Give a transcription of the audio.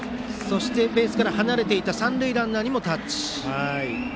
ベースから離れていた三塁ランナーにもタッチ。